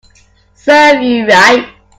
Serves you right